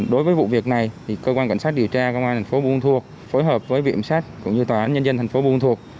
đối với vụ việc này thì cơ quan cảnh sát điều tra công an thành phố buôn ma thuột phối hợp với vị ẩm sát cũng như tòa án nhân dân thành phố buôn ma thuột